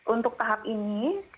untuk tahap ini